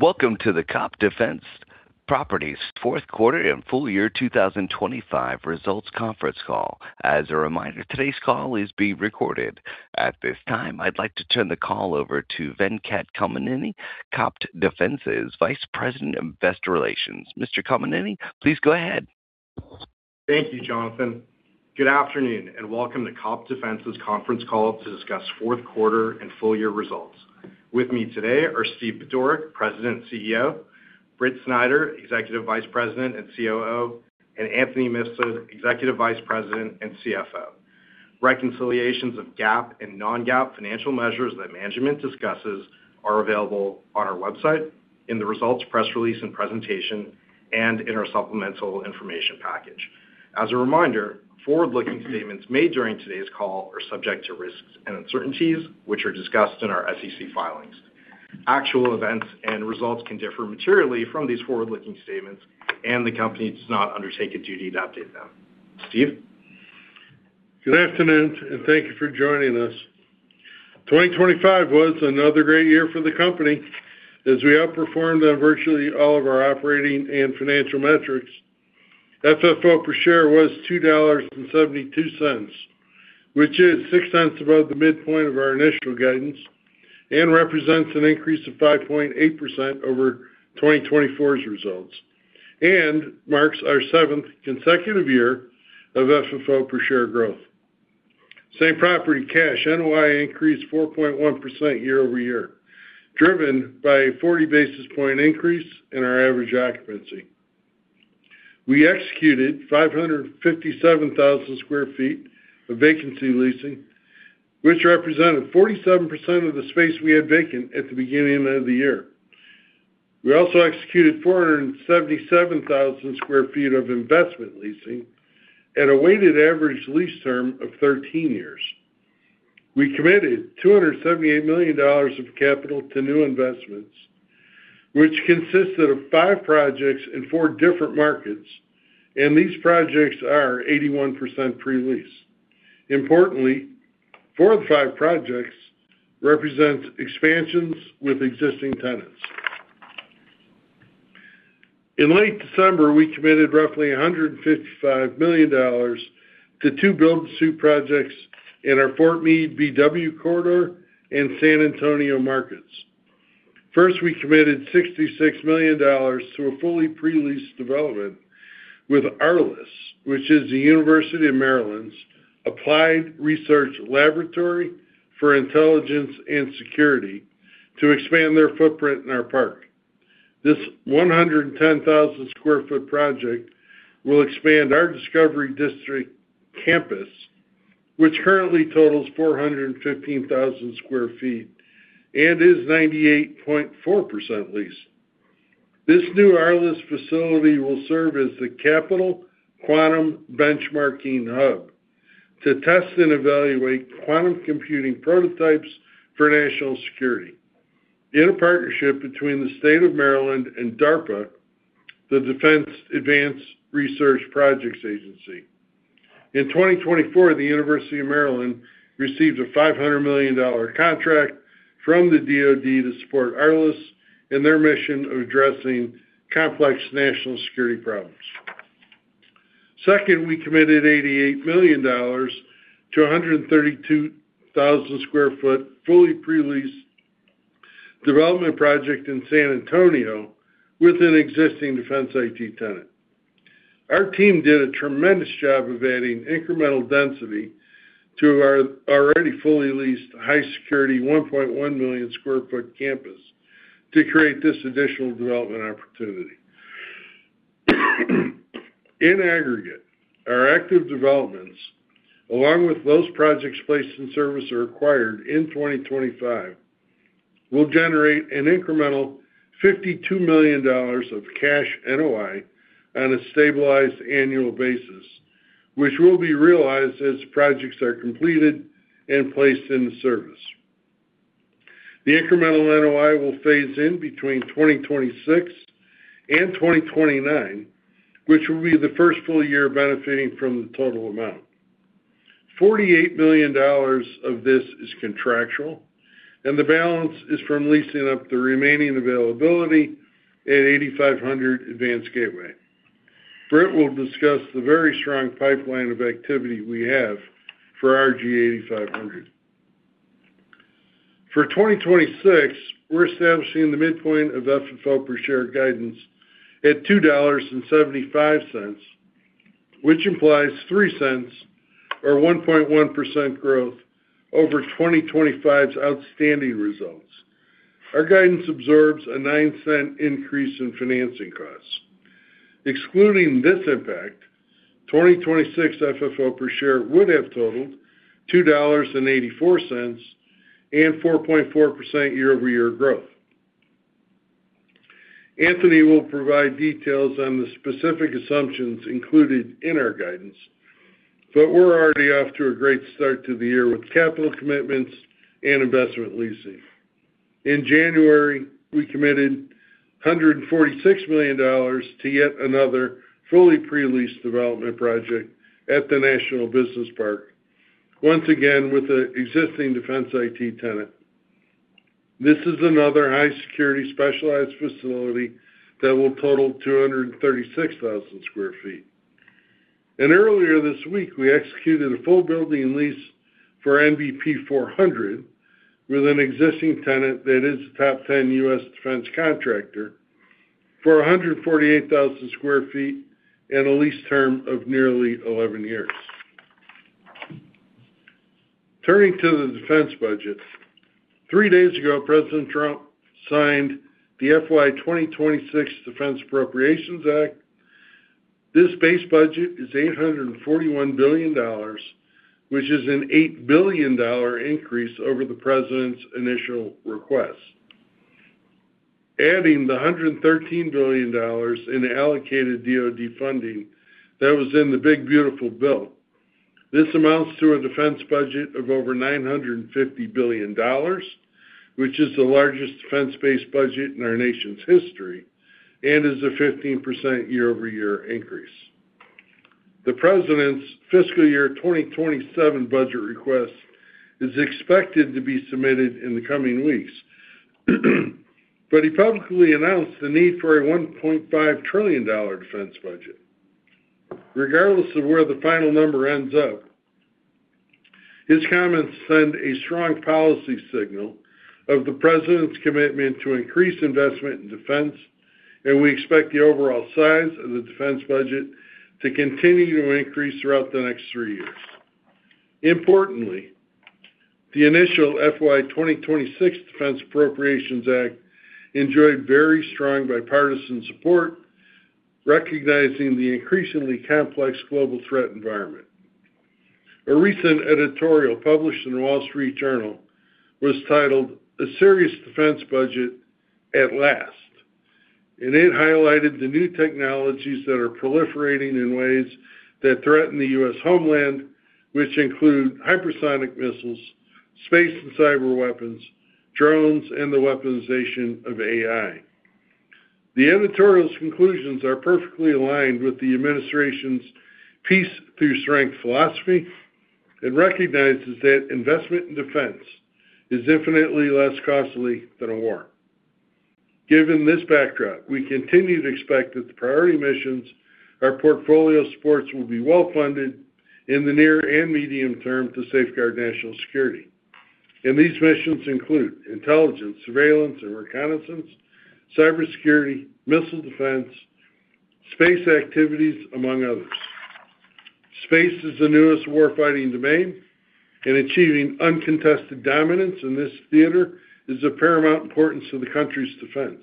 Welcome to the COPT Defense Properties Fourth Quarter and Full Year 2025 Results Conference Call. As a reminder, today's call is being recorded. At this time, I'd like to turn the call over to Venkat Kommineni, COPT Defense's Vice President of Investor Relations. Mr. Kommineni, please go ahead. Thank you, Jonathan. Good afternoon and welcome to COPT Defense's conference call to discuss fourth quarter and full year results. With me today are Steve Budorick, President and CEO; Britt Snider, Executive Vice President and COO; and Anthony Mifsud, Executive Vice President and CFO. Reconciliations of GAAP and non-GAAP financial measures that management discusses are available on our website, in the results press release and presentation, and in our supplemental information package. As a reminder, forward-looking statements made during today's call are subject to risks and uncertainties, which are discussed in our SEC filings. Actual events and results can differ materially from these forward-looking statements, and the company does not undertake a duty to update them. Steve? Good afternoon and thank you for joining us. 2025 was another great year for the company as we outperformed on virtually all of our operating and financial metrics. FFO per share was $2.72, which is $0.06 above the midpoint of our initial guidance and represents an increase of 5.8% over 2024's results and marks our seventh consecutive year of FFO per share growth. Same Property Cash NOI increased 4.1% year-over-year, driven by a 40 basis point increase in our average occupancy. We executed 557,000 sq ft of vacancy leasing, which represented 47% of the space we had vacant at the beginning of the year. We also executed 477,000 sq ft of investment leasing at a weighted average lease term of 13 years. We committed $278 million of capital to new investments, which consisted of five projects in four different markets, and these projects are 81% pre-leased. Importantly, four of the five projects represent expansions with existing tenants. In late December, we committed roughly $155 million to two build-to-suit projects in our Fort Meade/BW Corridor and San Antonio markets. First, we committed $66 million to a fully pre-leased development with ARLIS, which is the University of Maryland's Applied Research Laboratory for Intelligence and Security, to expand their footprint in our park. This 110,000 sq ft project will expand our Discovery District campus, which currently totals 415,000 sq ft and is 98.4% leased. This new ARLIS facility will serve as the Capital Quantum Benchmarking Hub to test and evaluate quantum computing prototypes for national security in a partnership between the State of Maryland and DARPA, the Defense Advanced Research Projects Agency. In 2024, the University of Maryland received a $500 million contract from the DoD to support ARLIS and their mission of addressing complex national security problems. Second, we committed $88 million to a 132,000 sq ft fully pre-leased development project in San Antonio with an existing defense IT tenant. Our team did a tremendous job of adding incremental density to our already fully leased high-security 1.1 million sq ft campus to create this additional development opportunity. In aggregate, our active developments, along with those projects placed in service or acquired in 2025, will generate an incremental $52 million of cash NOI on a stabilized annual basis, which will be realized as projects are completed and placed in service. The incremental NOI will phase in between 2026 and 2029, which will be the first full year benefiting from the total amount. $48 million of this is contractual, and the balance is from leasing up the remaining availability at 8500 Advanced Gateway. Britt will discuss the very strong pipeline of activity we have for our 8500. For 2026, we're establishing the midpoint of FFO per share guidance at $2.75, which implies $0.03 or 1.1% growth over 2025's outstanding results. Our guidance absorbs a $0.09 increase in financing costs. Excluding this impact, 2026 FFO per share would have totaled $2.84 and 4.4% year-over-year growth. Anthony will provide details on the specific assumptions included in our guidance, but we're already off to a great start to the year with capital commitments and investment leasing. In January, we committed $146 million to yet another fully pre-leased development project at the National Business Park, once again with an existing defense IT tenant. This is another high-security specialized facility that will total 236,000 sq ft. Earlier this week, we executed a full building lease for NBP 400 with an existing tenant that is a top 10 U.S. defense contractor for 148,000 sq ft and a lease term of nearly 11 years. Turning to the defense budget, three days ago, President Trump signed the FY 2026 Defense Appropriations Act. This base budget is $841 billion, which is an $8 billion increase over the president's initial request. Adding the $113 billion in allocated DoD funding that was in the Big Beautiful Bill, this amounts to a defense budget of over $950 billion, which is the largest defense-based budget in our nation's history and is a 15% year-over-year increase. The president's fiscal year 2027 budget request is expected to be submitted in the coming weeks, but he publicly announced the need for a $1.5 trillion defense budget. Regardless of where the final number ends up, his comments send a strong policy signal of the president's commitment to increase investment in defense, and we expect the overall size of the defense budget to continue to increase throughout the next three years. Importantly, the initial FY 2026 Defense Appropriations Act enjoyed very strong bipartisan support recognizing the increasingly complex global threat environment. A recent editorial published in The Wall Street Journal was titled "A Serious Defense Budget at Last," and it highlighted the new technologies that are proliferating in ways that threaten the U.S. homeland, which include hypersonic missiles, space and cyber weapons, drones, and the weaponization of AI. The editorial's conclusions are perfectly aligned with the administration's peace-through-strength philosophy and recognize that investment in defense is infinitely less costly than a war. Given this backdrop, we continue to expect that the priority missions, our portfolio supports, will be well-funded in the near and medium term to safeguard national security. These missions include intelligence, surveillance and reconnaissance, cybersecurity, missile defense, space activities, among others. Space is the newest warfighting domain, and achieving uncontested dominance in this theater is of paramount importance to the country's defense.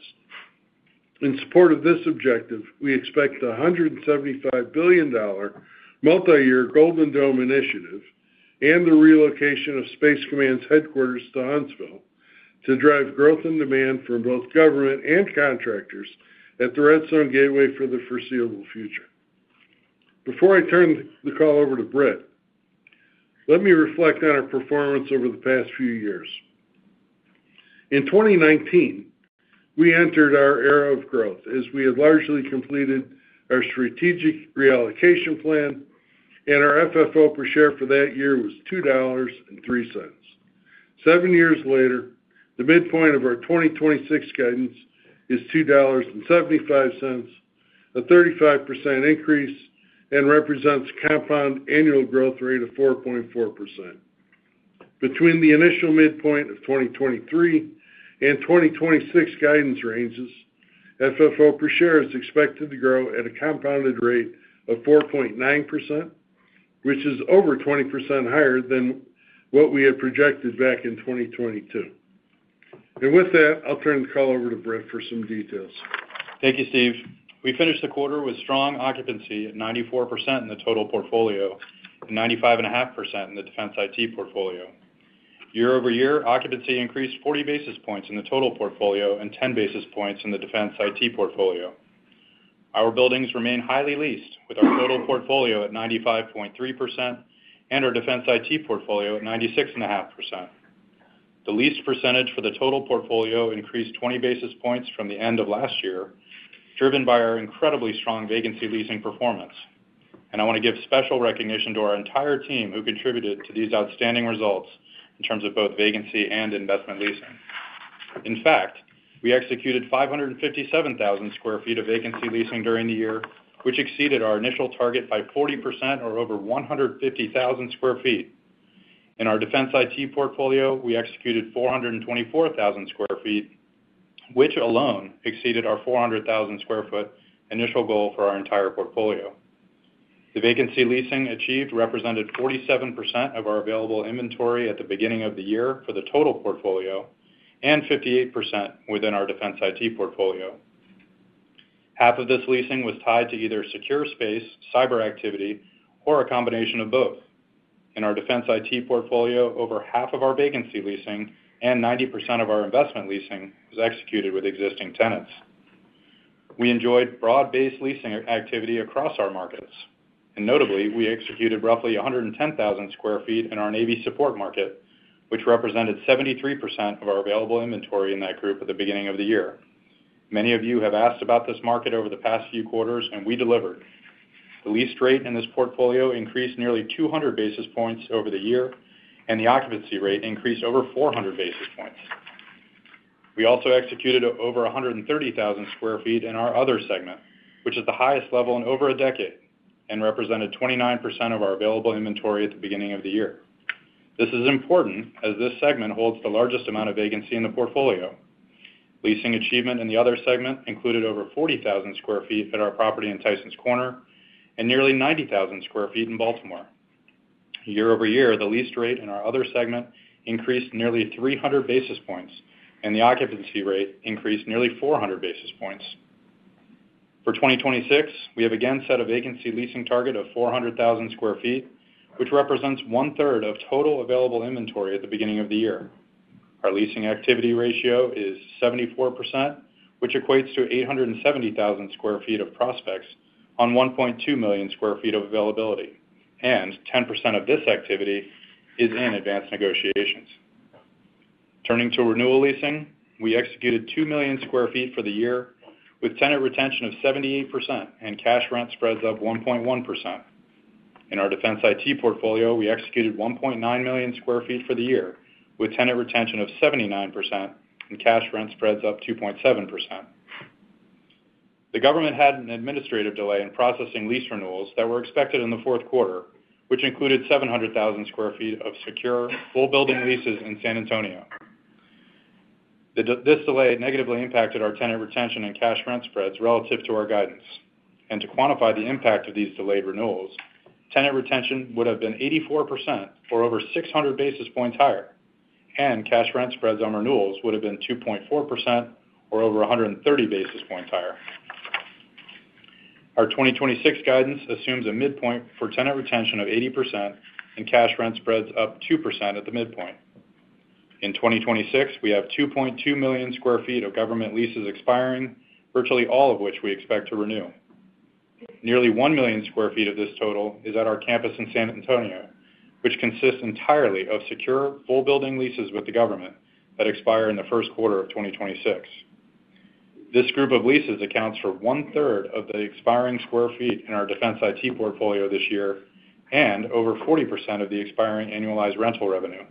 In support of this objective, we expect the $175 billion multi-year Golden Dome Initiative and the relocation of Space Command's headquarters to Huntsville to drive growth and demand from both government and contractors at the Redstone Gateway for the foreseeable future. Before I turn the call over to Britt, let me reflect on our performance over the past few years. In 2019, we entered our era of growth as we had largely completed our strategic reallocation plan, and our FFO per share for that year was $2.03. Seven years later, the midpoint of our 2026 guidance is $2.75, a 35% increase, and represents a compound annual growth rate of 4.4%. Between the initial midpoint of 2023 and 2026 guidance ranges, FFO per share is expected to grow at a compounded rate of 4.9%, which is over 20% higher than what we had projected back in 2022. With that, I'll turn the call over to Britt for some details. Thank you, Steve. We finished the quarter with strong occupancy at 94% in the total portfolio and 95.5% in the defense IT portfolio. Year-over-year, occupancy increased 40 basis points in the total portfolio and 10 basis points in the defense IT portfolio. Our buildings remain highly leased, with our total portfolio at 95.3% and our defense IT portfolio at 96.5%. The leased percentage for the total portfolio increased 20 basis points from the end of last year, driven by our incredibly strong vacancy leasing performance. I want to give special recognition to our entire team who contributed to these outstanding results in terms of both vacancy and investment leasing. In fact, we executed 557,000 sq ft of vacancy leasing during the year, which exceeded our initial target by 40% or over 150,000 sq ft. In our defense IT portfolio, we executed 424,000 sq ft, which alone exceeded our 400,000 sq ft initial goal for our entire portfolio. The vacancy leasing achieved represented 47% of our available inventory at the beginning of the year for the total portfolio and 58% within our defense IT portfolio. Half of this leasing was tied to either secure space, cyber activity, or a combination of both. In our defense IT portfolio, over half of our vacancy leasing and 90% of our investment leasing was executed with existing tenants. We enjoyed broad-based leasing activity across our markets. Notably, we executed roughly 110,000 sq ft in our Navy support market, which represented 73% of our available inventory in that group at the beginning of the year. Many of you have asked about this market over the past few quarters, and we delivered. The leased rate in this portfolio increased nearly 200 basis points over the year, and the occupancy rate increased over 400 basis points. We also executed over 130,000 sq ft in our other segment, which is the highest level in over a decade and represented 29% of our available inventory at the beginning of the year. This is important as this segment holds the largest amount of vacancy in the portfolio. Leasing achievement in the other segment included over 40,000 sq ft at our property in Tysons Corner and nearly 90,000 sq ft in Baltimore. Year-over-year, the leased rate in our other segment increased nearly 300 basis points, and the occupancy rate increased nearly 400 basis points. For 2026, we have again set a vacancy leasing target of 400,000 sq ft, which represents one-third of total available inventory at the beginning of the year. Our leasing activity ratio is 74%, which equates to 870,000 sq ft of prospects on 1.2 million sq ft of availability, and 10% of this activity is in advanced negotiations. Turning to renewal leasing, we executed 2 million sq ft for the year with tenant retention of 78% and cash rent spreads up 1.1%. In our defense IT portfolio, we executed 1.9 million sq ft for the year with tenant retention of 79% and cash rent spreads up 2.7%. The government had an administrative delay in processing lease renewals that were expected in the fourth quarter, which included 700,000 sq ft of secure full building leases in San Antonio. This delay negatively impacted our tenant retention and cash rent spreads relative to our guidance. To quantify the impact of these delayed renewals, tenant retention would have been 84% or over 600 basis points higher, and cash rent spreads on renewals would have been 2.4% or over 130 basis points higher. Our 2026 guidance assumes a midpoint for tenant retention of 80% and cash rent spreads up 2% at the midpoint. In 2026, we have 2.2 million sq ft of government leases expiring, virtually all of which we expect to renew. Nearly 1 million sq ft of this total is at our campus in San Antonio, which consists entirely of secure full building leases with the government that expire in the first quarter of 2026. This group of leases accounts for 1/3 of the expiring sq ft in our defense IT portfolio this year and over 40% of the expiring annualized rental revenue.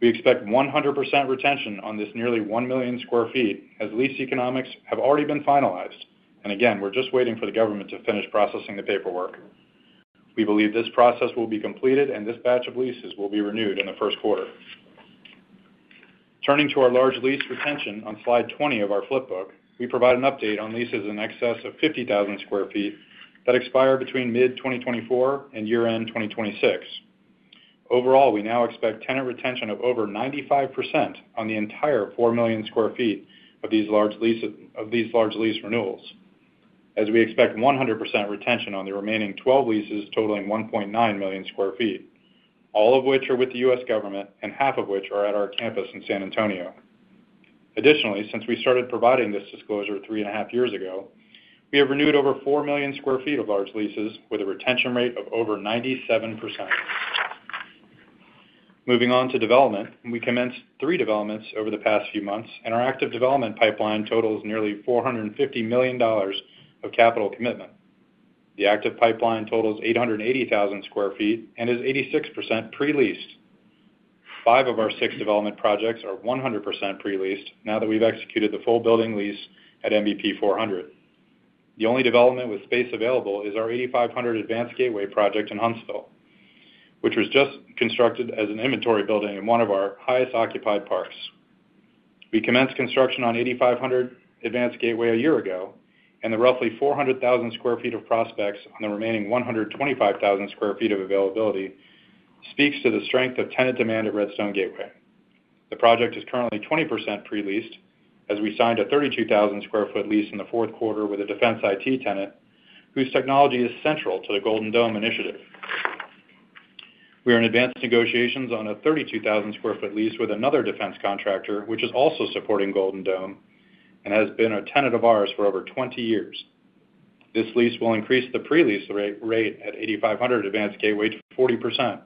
We expect 100% retention on this nearly 1 million sq ft as lease economics have already been finalized, and again, we're just waiting for the government to finish processing the paperwork. We believe this process will be completed, and this batch of leases will be renewed in the first quarter. Turning to our large lease retention on slide 20 of our flipbook, we provide an update on leases in excess of 50,000 sq ft that expire between mid-2024 and year-end 2026. Overall, we now expect tenant retention of over 95% on the entire 4 million sq ft of these large lease renewals, as we expect 100% retention on the remaining 12 leases totaling 1.9 million sq ft, all of which are with the U.S. Government and half of which are at our campus in San Antonio. Additionally, since we started providing this disclosure 3.5 years ago, we have renewed over 4 million sq ft of large leases with a retention rate of over 97%. Moving on to development, we commenced three developments over the past few months, and our active development pipeline totals nearly $450 million of capital commitment. The active pipeline totals 880,000 sq ft and is 86% pre-leased. Five of our six development projects are 100% pre-leased now that we've executed the full building lease at NBP 400. The only development with space available is our 8500 Advanced Gateway project in Huntsville, which was just constructed as an inventory building in one of our highest occupied parks. We commenced construction on 8500 Advanced Gateway a year ago, and the roughly 400,000 sq ft of prospects on the remaining 125,000 sq ft of availability speaks to the strength of tenant demand at Redstone Gateway. The project is currently 20% pre-leased as we signed a 32,000 sq ft lease in the fourth quarter with a defense IT tenant whose technology is central to the Golden Dome Initiative. We are in advanced negotiations on a 32,000 sq ft lease with another defense contractor, which is also supporting Golden Dome and has been a tenant of ours for over 20 years. This lease will increase the pre-lease rate at 8500 Advanced Gateway to 40%.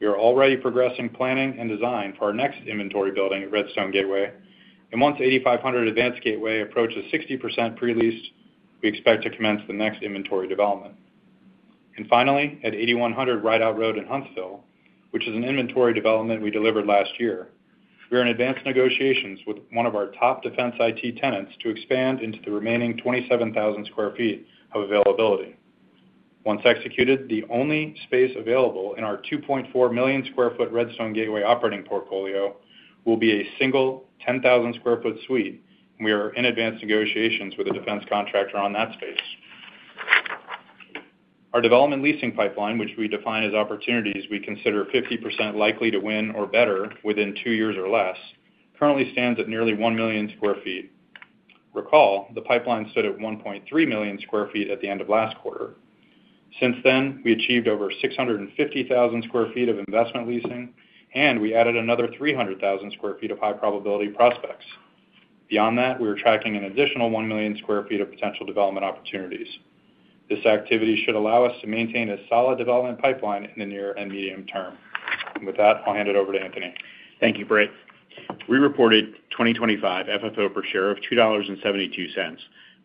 We are already progressing planning and design for our next inventory building at Redstone Gateway, and once 8500 Advanced Gateway approaches 60% pre-leased, we expect to commence the next inventory development. And finally, at 8100 Rideout Road in Huntsville, which is an inventory development we delivered last year, we are in advanced negotiations with one of our top defense IT tenants to expand into the remaining 27,000 sq ft of availability. Once executed, the only space available in our 2.4 million sq ft Redstone Gateway operating portfolio will be a single 10,000 sq ft suite, and we are in advanced negotiations with a defense contractor on that space. Our development leasing pipeline, which we define as opportunities we consider 50% likely to win or better within two years or less, currently stands at nearly 1 million sq ft. Recall, the pipeline stood at 1.3 million sq ft at the end of last quarter. Since then, we achieved over 650,000 sq ft of investment leasing, and we added another 300,000 sq ft of high-probability prospects. Beyond that, we are tracking an additional 1 million sq ft of potential development opportunities. This activity should allow us to maintain a solid development pipeline in the near and medium term. With that, I'll hand it over to Anthony. Thank you, Britt. We reported 2025 FFO per share of $2.72,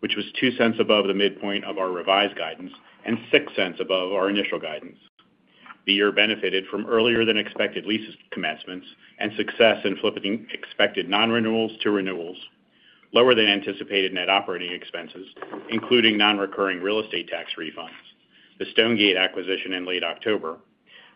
which was $0.02 above the midpoint of our revised guidance and $0.06 above our initial guidance. The year benefited from earlier-than-expected lease commencements and success in flipping expected non-renewals to renewals, lower-than-anticipated net operating expenses, including non-recurring real estate tax refunds, the Stonegate acquisition in late October,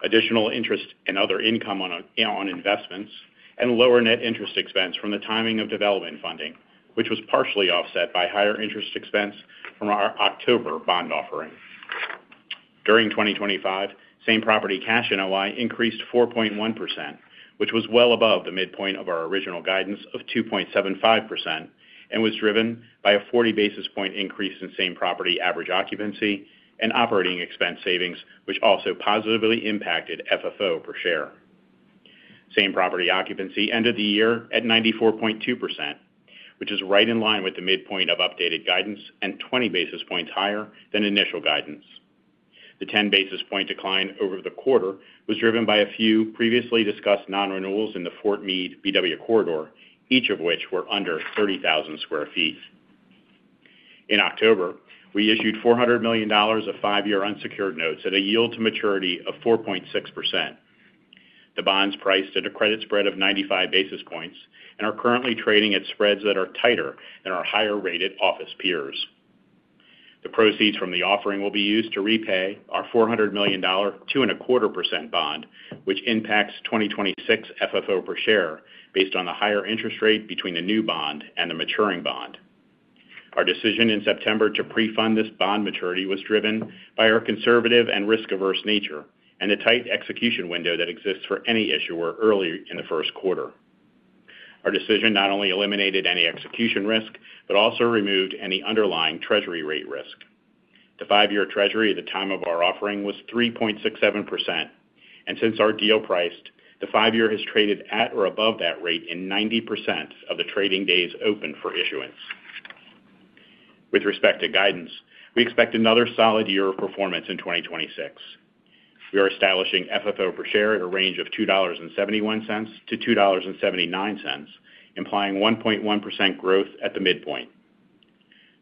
additional interest and other income on investments, and lower net interest expense from the timing of development funding, which was partially offset by higher interest expense from our October bond offering. During 2025, Same Property Cash NOI increased 4.1%, which was well above the midpoint of our original guidance of 2.75% and was driven by a 40 basis point increase in Same Property average occupancy and operating expense savings, which also positively impacted FFO per share. Same Property occupancy ended the year at 94.2%, which is right in line with the midpoint of updated guidance and 20 basis points higher than initial guidance. The 10 basis point decline over the quarter was driven by a few previously discussed non-renewals in the Fort Meade/BW Corridor, each of which were under 30,000 sq ft. In October, we issued $400 million of five-year unsecured notes at a yield to maturity of 4.6%. The bonds priced at a credit spread of 95 basis points and are currently trading at spreads that are tighter than our higher-rated office peers. The proceeds from the offering will be used to repay our $400 million 2.25% bond, which impacts 2026 FFO per share based on the higher interest rate between the new bond and the maturing bond. Our decision in September to pre-fund this bond maturity was driven by our conservative and risk-averse nature and the tight execution window that exists for any issuer earlier in the first quarter. Our decision not only eliminated any execution risk but also removed any underlying treasury rate risk. The five-year treasury at the time of our offering was 3.67%, and since our deal priced, the five-year has traded at or above that rate in 90% of the trading days open for issuance. With respect to guidance, we expect another solid year of performance in 2026. We are establishing FFO per share at a range of $2.71-$2.79, implying 1.1% growth at the midpoint.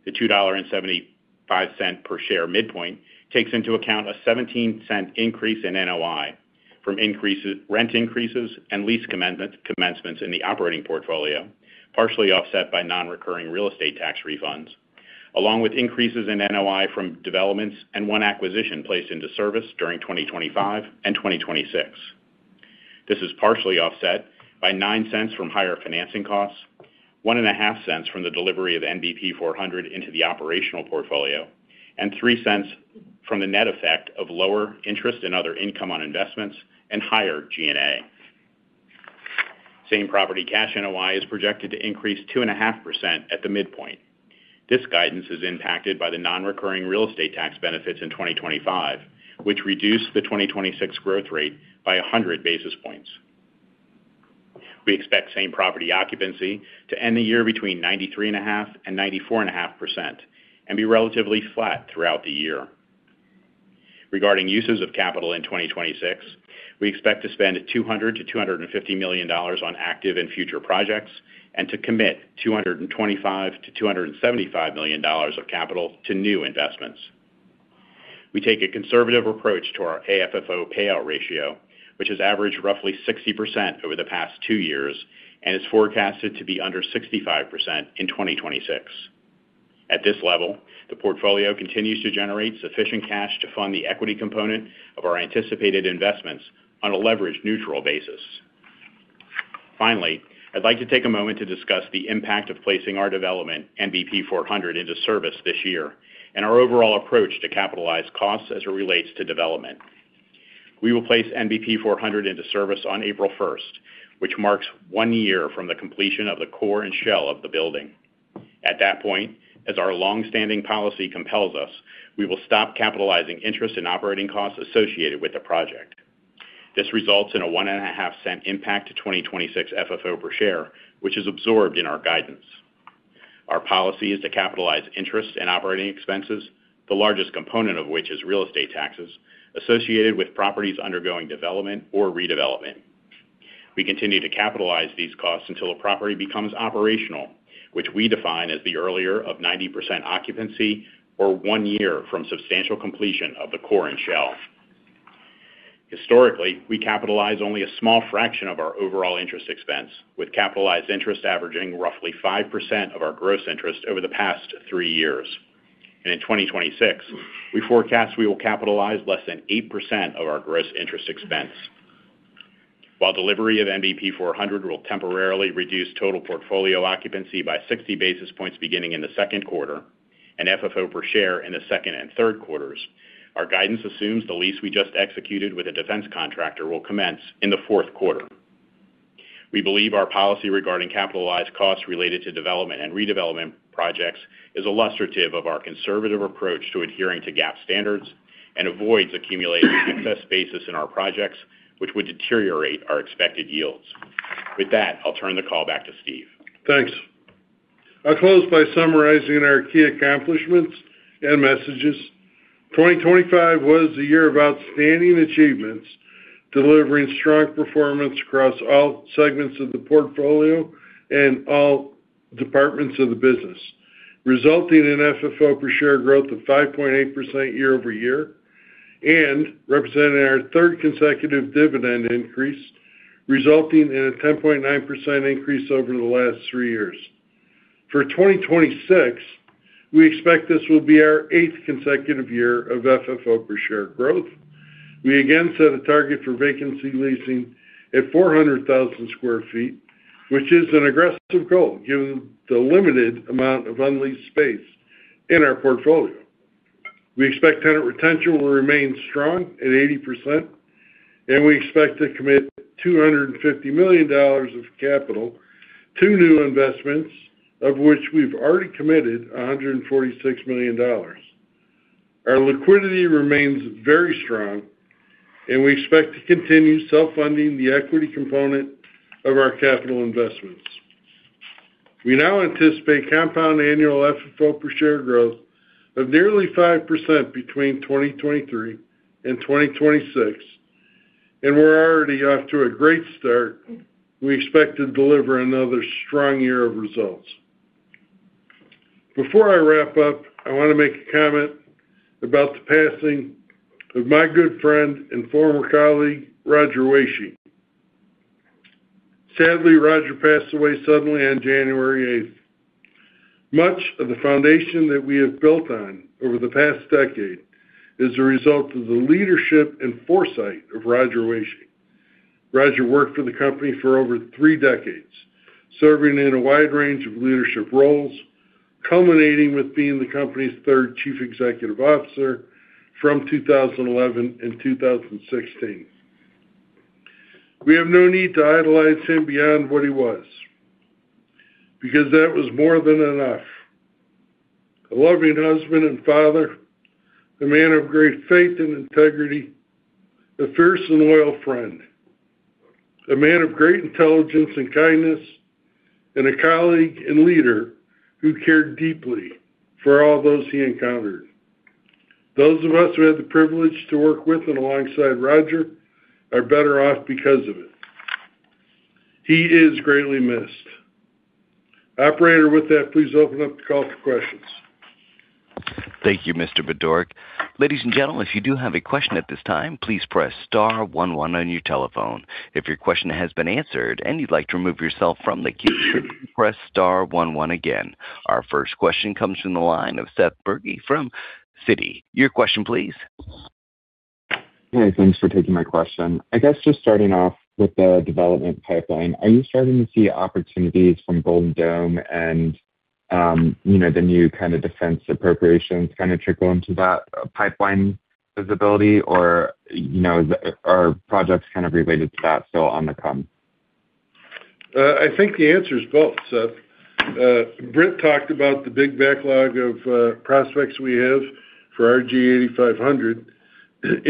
The $2.75 per share midpoint takes into account a $0.17 increase in NOI from rent increases and lease commencements in the operating portfolio, partially offset by non-recurring real estate tax refunds, along with increases in NOI from developments and one acquisition placed into service during 2025 and 2026. This is partially offset by $0.09 from higher financing costs, $0.015 from the delivery of NBP 400 into the operational portfolio, and $0.03 from the net effect of lower interest and other income on investments and higher G&A. Same Property Cash NOI is projected to increase 2.5% at the midpoint. This guidance is impacted by the non-recurring real estate tax benefits in 2025, which reduce the 2026 growth rate by 100 basis points. We expect Same Property occupancy to end the year between 93.5%-94.5% and be relatively flat throughout the year. Regarding uses of capital in 2026, we expect to spend $200 million-$250 million on active and future projects and to commit $225 million-$275 million of capital to new investments. We take a conservative approach to our AFFO payout ratio, which has averaged roughly 60% over the past two years and is forecasted to be under 65% in 2026. At this level, the portfolio continues to generate sufficient cash to fund the equity component of our anticipated investments on a leveraged neutral basis. Finally, I'd like to take a moment to discuss the impact of placing our development, NBP 400, into service this year and our overall approach to capitalize costs as it relates to development. We will place NBP 400 into service on April 1st, which marks one year from the completion of the core and shell of the building. At that point, as our longstanding policy compels us, we will stop capitalizing interest and operating costs associated with the project. This results in a $0.015 impact to 2026 FFO per share, which is absorbed in our guidance. Our policy is to capitalize interest and operating expenses, the largest component of which is real estate taxes, associated with properties undergoing development or redevelopment. We continue to capitalize these costs until a property becomes operational, which we define as the earlier of 90% occupancy or one year from substantial completion of the core and shell. Historically, we capitalize only a small fraction of our overall interest expense, with capitalized interest averaging roughly 5% of our gross interest over the past three years. In 2026, we forecast we will capitalize less than 8% of our gross interest expense. While delivery of NBP 400 will temporarily reduce total portfolio occupancy by 60 basis points beginning in the second quarter and FFO per share in the second and third quarters, our guidance assumes the lease we just executed with a defense contractor will commence in the fourth quarter. We believe our policy regarding capitalized costs related to development and redevelopment projects is illustrative of our conservative approach to adhering to GAAP standards and avoids accumulating excess basis in our projects, which would deteriorate our expected yields. With that, I'll turn the call back to Steve. Thanks. I'll close by summarizing our key accomplishments and messages. 2025 was a year of outstanding achievements, delivering strong performance across all segments of the portfolio and all departments of the business, resulting in FFO per share growth of 5.8% year-over-year and representing our third consecutive dividend increase, resulting in a 10.9% increase over the last three years. For 2026, we expect this will be our eighth consecutive year of FFO per share growth. We again set a target for vacancy leasing at 400,000 sq ft, which is an aggressive goal given the limited amount of unleased space in our portfolio. We expect tenant retention will remain strong at 80%, and we expect to commit $250 million of capital to new investments, of which we've already committed $146 million. Our liquidity remains very strong, and we expect to continue self-funding the equity component of our capital investments. We now anticipate compound annual FFO per share growth of nearly 5% between 2023 and 2026, and we're already off to a great start. We expect to deliver another strong year of results. Before I wrap up, I want to make a comment about the passing of my good friend and former colleague, Roger Waesche. Sadly, Roger passed away suddenly on January 8th. Much of the foundation that we have built on over the past decade is the result of the leadership and foresight of Roger Waesche. Roger worked for the company for over three decades, serving in a wide range of leadership roles, culminating with being the company's third Chief Executive Officer from 2011 and 2016. We have no need to idolize him beyond what he was because that was more than enough. A loving husband and father, a man of great faith and integrity, a fierce and loyal friend, a man of great intelligence and kindness, and a colleague and leader who cared deeply for all those he encountered. Those of us who had the privilege to work with and alongside Roger are better off because of it. He is greatly missed. Operator, with that, please open up the call for questions. Thank you, Mr. Budorick. Ladies and gentlemen, if you do have a question at this time, please press star 11 on your telephone. If your question has been answered and you'd like to remove yourself from the queue, press star 11 again. Our first question comes from the line of Seth Bergey from Citi. Your question, please. Okay. Thanks for taking my question. I guess just starting off with the development pipeline, are you starting to see opportunities from Golden Dome and the new kind of defense appropriations kind of trickle into that pipeline visibility, or are projects kind of related to that still on the come? I think the answer is both, Seth. Britt talked about the big backlog of prospects we have for our 8500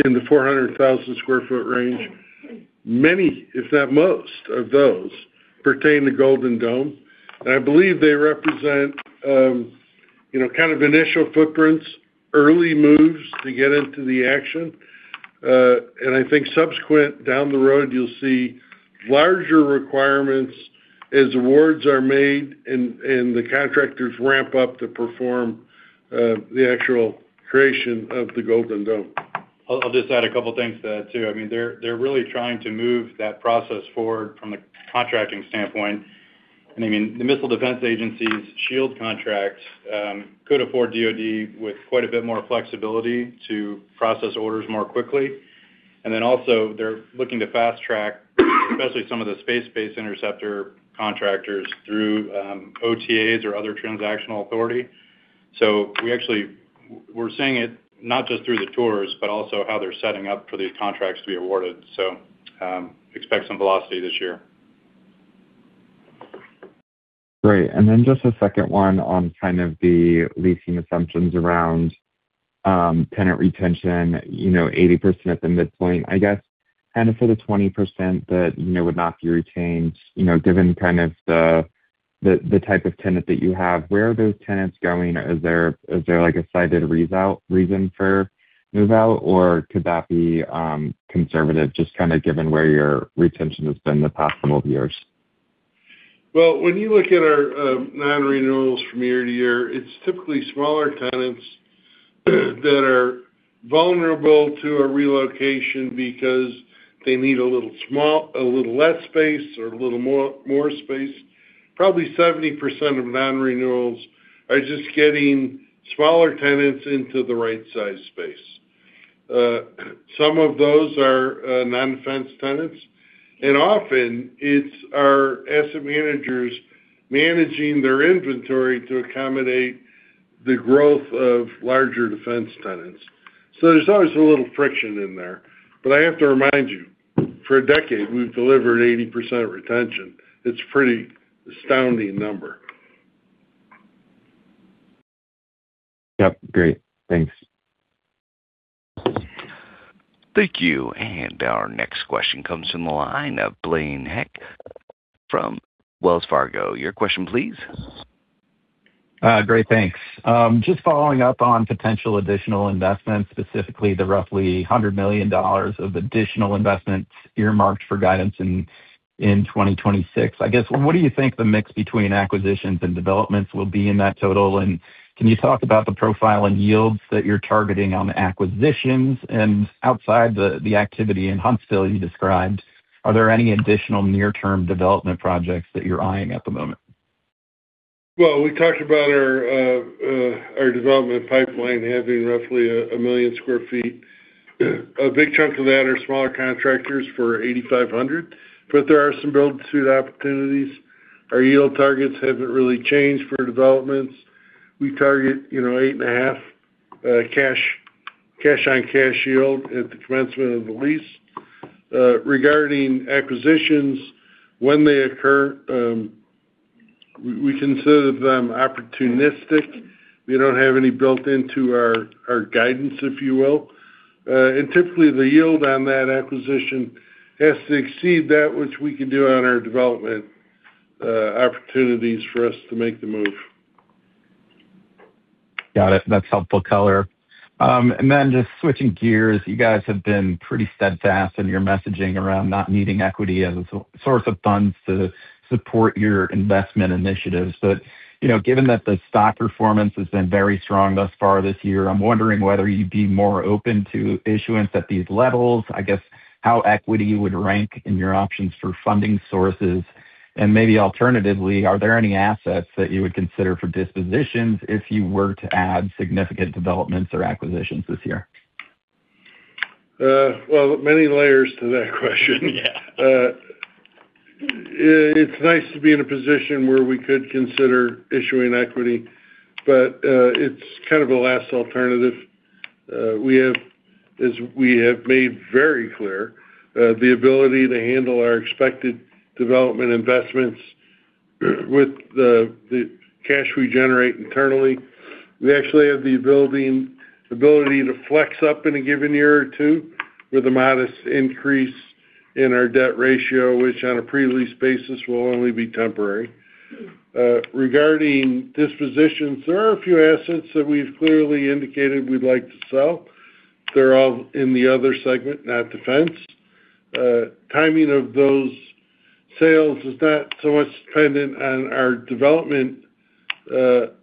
in the 400,000 sq ft range. Many, if not most, of those pertain to Golden Dome, and I believe they represent kind of initial footprints, early moves to get into the action. And I think subsequent down the road, you'll see larger requirements as awards are made and the contractors ramp up to perform the actual creation of the Golden Dome. I'll just add a couple of things to that too. I mean, they're really trying to move that process forward from the contracting standpoint. And I mean, the Missile Defense Agency's shield contracts could afford DoD with quite a bit more flexibility to process orders more quickly. And then also, they're looking to fast-track, especially some of the space-based interceptor contractors, through OTAs or other transactional authority. So we're seeing it not just through the tours but also how they're setting up for these contracts to be awarded. So expect some velocity this year. Great. And then just a second one on kind of the leasing assumptions around tenant retention, 80% at the midpoint, I guess. Kind of for the 20% that would not be retained, given kind of the type of tenant that you have, where are those tenants going? Is there a cited reason for move-out, or could that be conservative just kind of given where your retention has been the past couple of years? Well, when you look at our non-renewals from year to year, it's typically smaller tenants that are vulnerable to a relocation because they need a little less space or a little more space. Probably 70% of non-renewals are just getting smaller tenants into the right-sized space. Some of those are non-defense tenants. And often, it's our asset managers managing their inventory to accommodate the growth of larger defense tenants. So there's always a little friction in there. But I have to remind you, for a decade, we've delivered 80% retention. It's a pretty astounding number. Yep. Great. Thanks. Thank you. And our next question comes from the line of Blaine Heck from Wells Fargo. Your question, please. Great. Thanks. Just following up on potential additional investments, specifically the roughly $100 million of additional investments earmarked for guidance in 2026. I guess, what do you think the mix between acquisitions and developments will be in that total? And can you talk about the profile and yields that you're targeting on acquisitions? And outside the activity in Huntsville you described, are there any additional near-term development projects that you're eyeing at the moment? Well, we talked about our development pipeline having roughly 1 million sq ft. A big chunk of that are smaller contractors for 8,500. But there are some build-to-suit opportunities. Our yield targets haven't really changed for developments. We target 8.5% cash-on-cash yield at the commencement of the lease. Regarding acquisitions, when they occur, we consider them opportunistic. We don't have any built into our guidance, if you will. And typically, the yield on that acquisition has to exceed that, which we can do on our development opportunities for us to make the move. Got it. That's helpful color. And then just switching gears, you guys have been pretty steadfast in your messaging around not needing equity as a source of funds to support your investment initiatives. But given that the stock performance has been very strong thus far this year, I'm wondering whether you'd be more open to issuance at these levels. I guess, how equity you would rank in your options for funding sources? And maybe alternatively, are there any assets that you would consider for dispositions if you were to add significant developments or acquisitions this year? Well, many layers to that question. Yeah. It's nice to be in a position where we could consider issuing equity, but it's kind of a last alternative. As we have made very clear, the ability to handle our expected development investments with the cash we generate internally. We actually have the ability to flex up in a given year or two with a modest increase in our debt ratio, which on a pre-lease basis will only be temporary. Regarding dispositions, there are a few assets that we've clearly indicated we'd like to sell. They're all in the other segment, not defense. Timing of those sales is not so much dependent on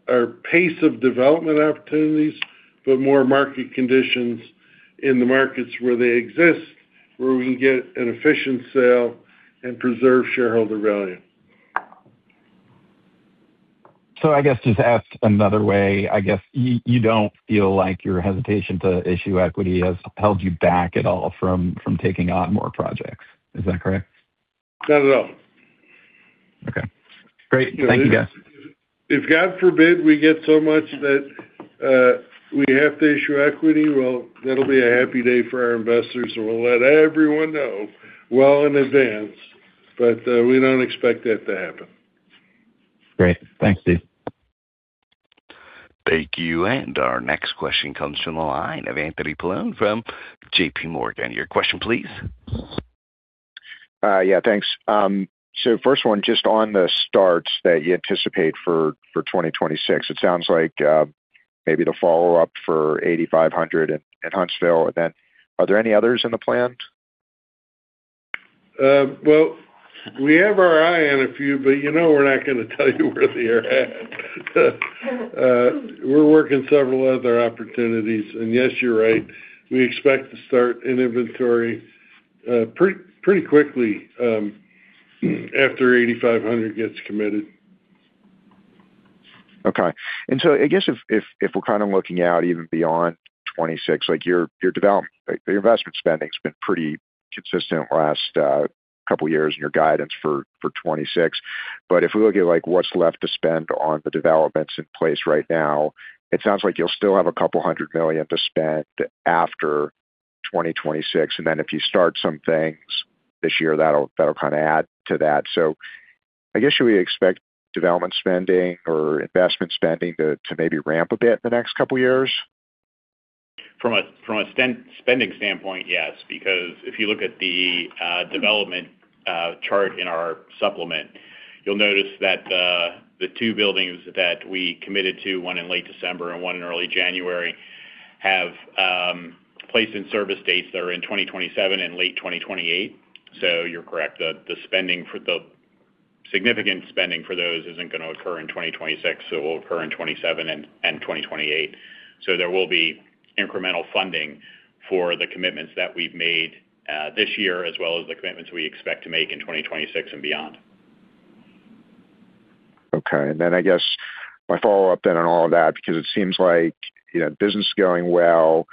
our pace of development opportunities but more market conditions in the markets where they exist, where we can get an efficient sale and preserve shareholder value. So, I guess, just asked another way. I guess you don't feel like your hesitation to issue equity has held you back at all from taking on more projects. Is that correct? Not at all. Okay. Great. Thank you, guys. If God forbid we get so much that we have to issue equity, well, that'll be a happy day for our investors, and we'll let everyone know well in advance. But we don't expect that to happen. Great. Thanks, Steve. Thank you. And our next question comes from the line of Anthony Paolone from J.P. Morgan. Your question, please. Yeah. Thanks. So first one, just on the starts that you anticipate for 2026, it sounds like maybe the follow-up for 8,500 in Huntsville. And then are there any others in the plan? Well, we have our eye on a few, but we're not going to tell you where they are at. We're working several other opportunities. And yes, you're right. We expect to start an inventory pretty quickly after 8,500 gets committed. Okay. And so I guess if we're kind of looking out even beyond 2026, your investment spending's been pretty consistent last couple of years in your guidance for 2026. But if we look at what's left to spend on the developments in place right now, it sounds like you'll still have couple of hundred million to spend after 2026. And then if you start some things this year, that'll kind of add to that. So I guess should we expect development spending or investment spending to maybe ramp a bit in the next couple of years? From a spending standpoint, yes. Because if you look at the development chart in our supplement, you'll notice that the two buildings that we committed to, one in late December and one in early January, have placement service dates that are in 2027 and late 2028. So you're correct. The significant spending for those isn't going to occur in 2026. It will occur in 2027 and 2028. So there will be incremental funding for the commitments that we've made this year as well as the commitments we expect to make in 2026 and beyond. Okay. And then I guess my follow-up then on all of that, because it seems like business is going well.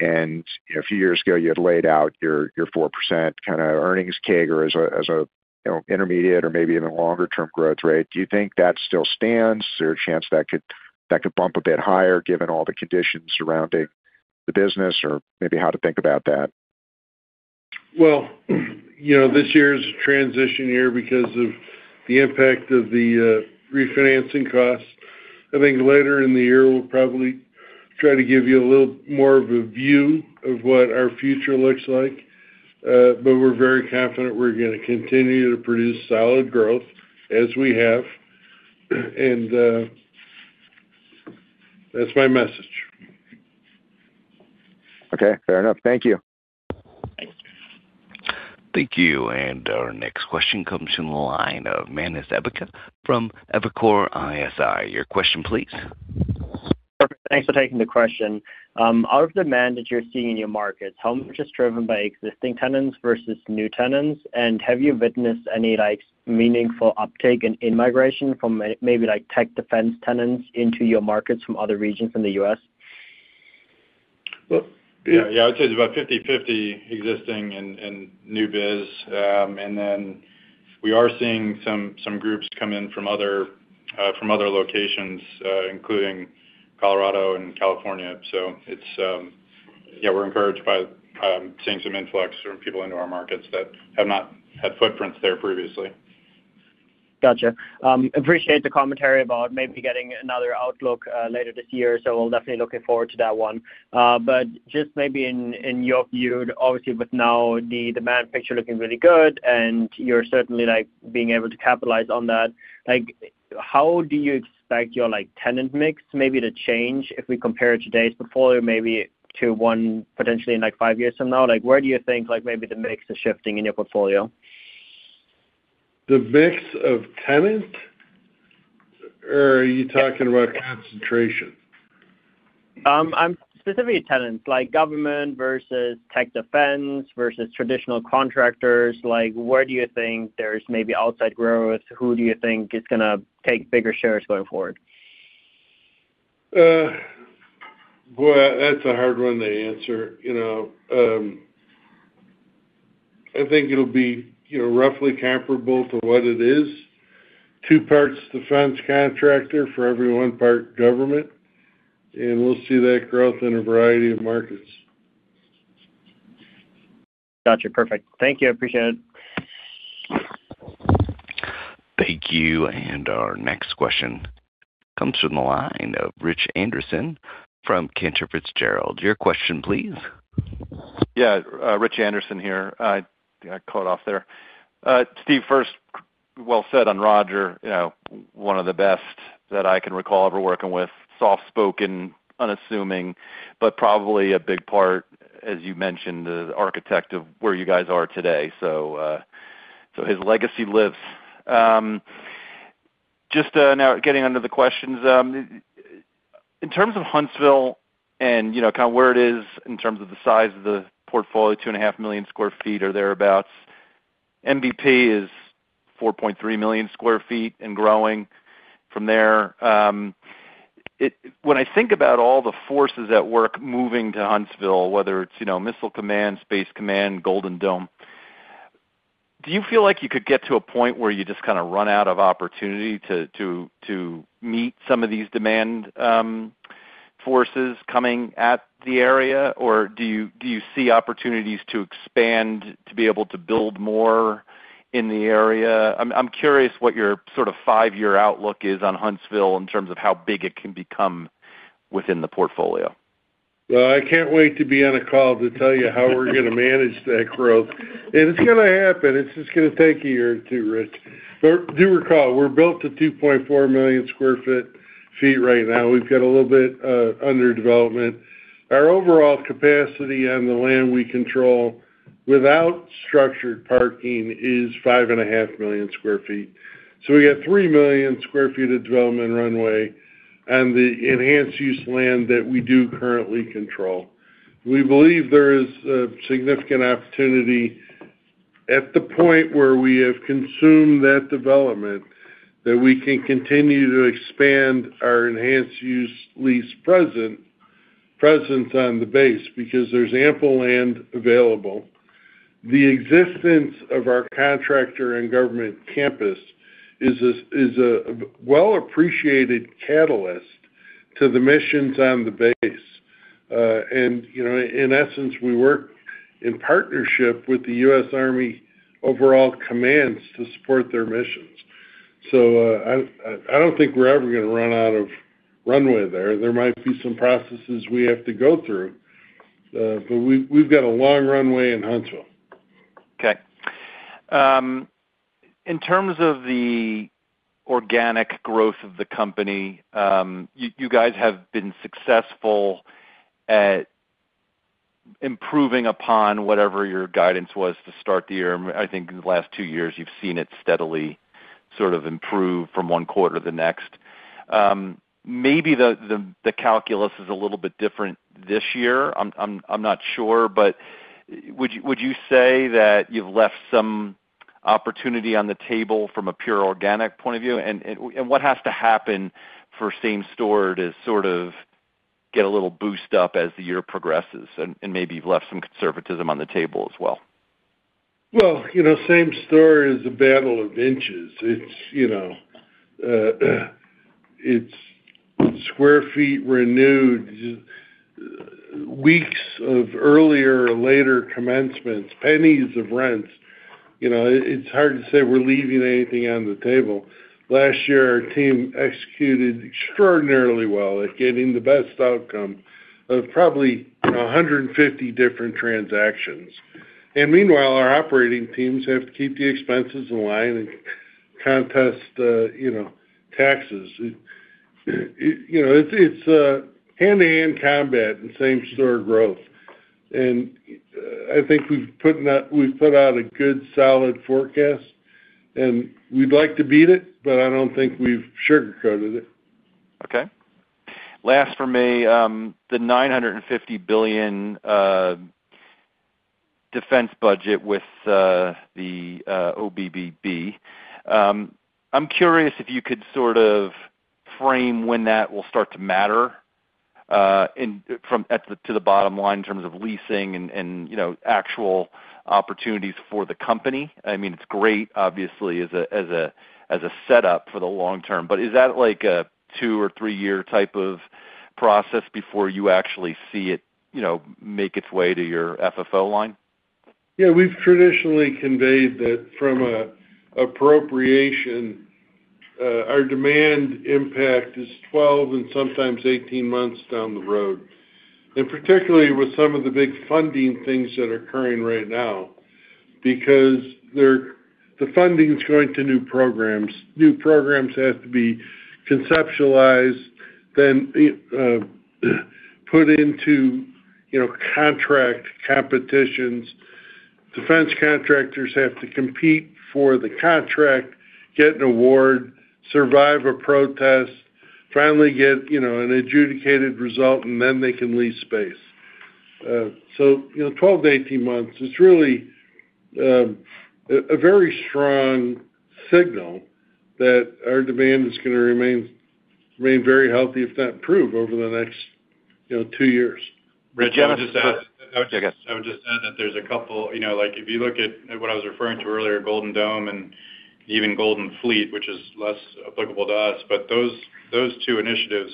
A few years ago, you had laid out your 4% kind of earnings CAGR as an intermediate or maybe even longer-term growth rate. Do you think that still stands? Is there a chance that could bump a bit higher given all the conditions surrounding the business, or maybe how to think about that? Well, this year's a transition year because of the impact of the refinancing costs. I think later in the year, we'll probably try to give you a little more of a view of what our future looks like. But we're very confident we're going to continue to produce solid growth as we have. That's my message. Okay. Fair enough. Thank you. Thanks. Thank you. Our next question comes from the line of Manus Ebbecke from Evercore ISI. Your question, please. Perfect. Thanks for taking the question. Of the demand that you're seeing in your markets, how much is driven by existing tenants versus new tenants? And have you witnessed any meaningful uptake and migration from maybe tech defense tenants into your markets from other regions in the U.S.? Yeah. I would say it's about 50/50 existing and new biz. And then we are seeing some groups come in from other locations, including Colorado and California. So yeah, we're encouraged by seeing some influx from people into our markets that have not had footprints there previously. Got it. Appreciate the commentary about maybe getting another outlook later this year. We'll definitely look forward to that one. Just maybe in your view, obviously, with now the demand picture looking really good and you're certainly being able to capitalize on that, how do you expect your tenant mix maybe to change if we compare today's portfolio maybe to one potentially in five years from now? Where do you think maybe the mix is shifting in your portfolio? The mix of tenants, or are you talking about concentration? I'm specifically tenants, government versus tech defense versus traditional contractors. Where do you think there's maybe outside growth? Who do you think is going to take bigger shares going forward? Well, that's a hard one to answer. I think it'll be roughly comparable to what it is: Two-parts defense contractor for every one part government. And we'll see that growth in a variety of markets. Got it. Perfect. Thank you. I appreciate it. Thank you. Our next question comes from the line of Rich Anderson from Cantor Fitzgerald. Your question, please. Yeah. Rich Anderson here. I caught off there. Steve, first, well said on Roger, one of the best that I can recall ever working with, soft-spoken, unassuming, but probably a big part, as you mentioned, the architect of where you guys are today. So his legacy lives. Just now getting under the questions, in terms of Huntsville and kind of where it is in terms of the size of the portfolio, 2.5 million sq ft or thereabouts, MVP is 4.3 million sq ft and growing from there. When I think about all the forces at work moving to Huntsville, whether it's missile command, space command, Golden Dome, do you feel like you could get to a point where you just kind of run out of opportunity to meet some of these demand forces coming at the area? Or do you see opportunities to expand, to be able to build more in the area? I'm curious what your sort of five-year outlook is on Huntsville in terms of how big it can become within the portfolio. Well, I can't wait to be on a call to tell you how we're going to manage that growth. It's going to happen. It's just going to take a year or two, Rich. Do recall, we're built to 2.4 million sq ft right now. We've got a little bit under development. Our overall capacity on the land we control without structured parking is 5.5 million sq ft. So we got 3 million sq ft of development runway on the enhanced-use land that we do currently control. We believe there is significant opportunity at the point where we have consumed that development that we can continue to expand our enhanced-use lease presence on the base because there's ample land available. The existence of our contractor and government campus is a well-appreciated catalyst to the missions on the base. And in essence, we work in partnership with the U.S. Army overall commands to support their missions. So I don't think we're ever going to run out of runway there. There might be some processes we have to go through, but we've got a long runway in Huntsville. Okay. In terms of the organic growth of the company, you guys have been successful at improving upon whatever your guidance was to start the year. And I think in the last two years, you've seen it steadily sort of improve from one quarter to the next. Maybe the calculus is a little bit different this year. I'm not sure. But would you say that you've left some opportunity on the table from a pure organic point of view? And what has to happen for same-store to sort of get a little boost up as the year progresses? And maybe you've left some conservatism on the table as well. Well, same-store is a battle of inches. It's square feet renewed, weeks of earlier or later commencements, pennies of rents. It's hard to say we're leaving anything on the table. Last year, our team executed extraordinarily well at getting the best outcome of probably 150 different transactions. And meanwhile, our operating teams have to keep the expenses in line and contest taxes. It's hand-to-hand combat in same-store growth. And I think we've put out a good, solid forecast, and we'd like to beat it, but I don't think we've sugarcoated it. Okay. Last for me, the $950 billion defense budget with the OBBB. I'm curious if you could sort of frame when that will start to matter to the bottom line in terms of leasing and actual opportunities for the company. I mean, it's great, obviously, as a setup for the long term. But is that a two or three-year type of process before you actually see it make its way to your FFO line? Yeah. We've traditionally conveyed that from appropriation, our demand impact is 12 and sometimes 18 months down the road, and particularly with some of the big funding things that are occurring right now because the funding's going to new programs. New programs have to be conceptualized, then put into contract competitions. Defense contractors have to compete for the contract, get an award, survive a protest, finally get an adjudicated result, and then they can lease space. So 12-18 months, it's really a very strong signal that our demand is going to remain very healthy, if not improve, over the next two years. Rich, I would just add that there's a couple if you look at what I was referring to earlier, Golden Dome and even Golden Fleet, which is less applicable to us, but those two initiatives,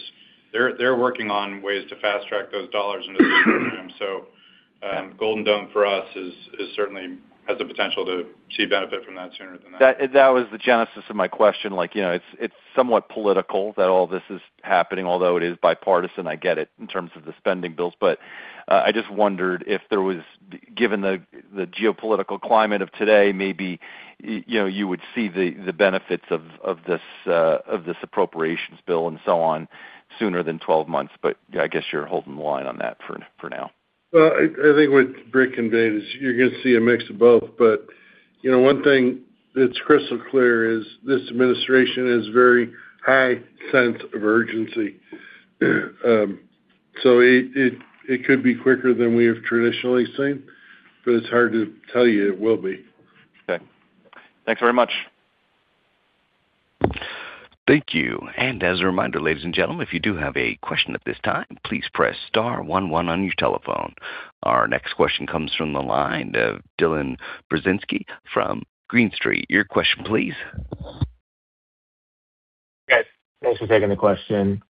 they're working on ways to fast-track those dollars into the program. So Golden Dome for us certainly has the potential to see benefit from that sooner than that. That was the genesis of my question. It's somewhat political that all this is happening, although it is bipartisan. I get it in terms of the spending bills. But I just wondered if there was given the geopolitical climate of today, maybe you would see the benefits of this appropriations bill and so on sooner than 12 months. But I guess you're holding the line on that for now. Well, I think what Britt conveyed is you're going to see a mix of both. One thing that's crystal clear is this administration has a very high sense of urgency. It could be quicker than we have traditionally seen, but it's hard to tell you it will be. Okay. Thanks very much. Thank you. As a reminder, ladies and gentlemen, if you do have a question at this time, please press star 11 on your telephone. Our next question comes from the line of Dylan Burzinski from Green Street. Your question, please. Hey, guys. Thanks for taking the question.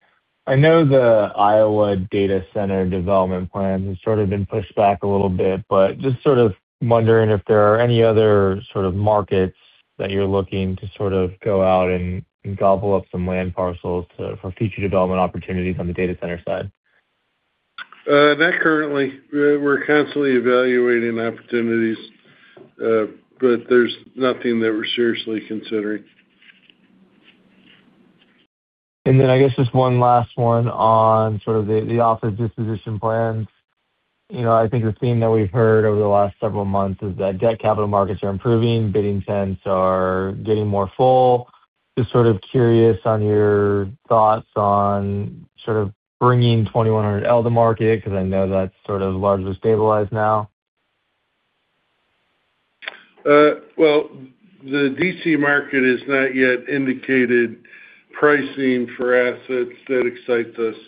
I know the Iowa Data Center development plan has sort of been pushed back a little bit, but just sort of wondering if there are any other sort of markets that you're looking to sort of go out and gobble up some land parcels for future development opportunities on the data center side? Not currently. We're constantly evaluating opportunities, but there's nothing that we're seriously considering. And then I guess just one last one on sort of the office disposition plans. I think the theme that we've heard over the last several months is that debt capital markets are improving, bid intents are getting more full. Just sort of curious on your thoughts on sort of bringing 2100 L Street to market because I know that's sort of largely stabilized now. Well, the D.C. market is not yet indicating pricing for assets that excites us.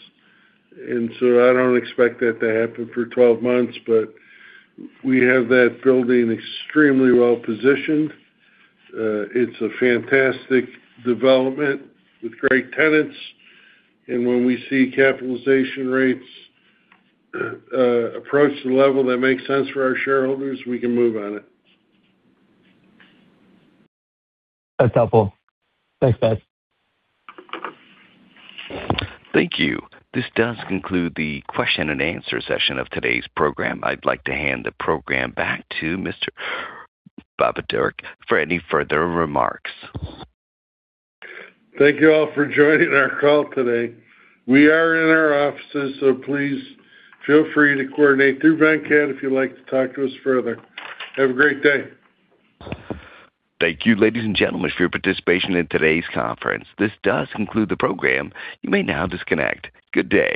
And so I don't expect that to happen for 12 months, but we have that building extremely well-positioned. It's a fantastic development with great tenants. And when we see capitalization rates approach the level that makes sense for our shareholders, we can move on it. That's helpful. Thanks, guys. Thank you. This does conclude the question-and-answer session of today's program. I'd like to hand the program back to Mr. Budorick for any further remarks. Thank you all for joining our call today. We are in our offices, so please feel free to coordinate through Venkat if you'd like to talk to us further. Have a great day. Thank you, ladies and gentlemen, for your participation in today's conference. This does conclude the program. You may now disconnect. Good day.